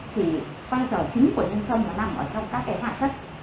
thì vai trò chính của nhân xăm nó nằm ở trong các cái hoạt chất